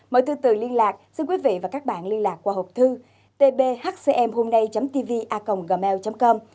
mọi thư từ liên lạc xin quý vị và các bạn liên lạc qua hộp thư tbhcmhômnay tvacomgmail com